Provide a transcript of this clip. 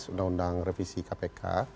undang undang revisi kpk